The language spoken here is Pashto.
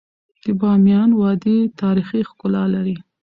د بامیان وادی تاریخي ښکلا لري.